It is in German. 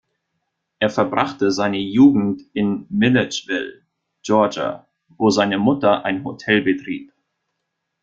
Er verbrachte seine Jugend in Milledgeville, Georgia, wo seine Mutter ein Hotel betrieb.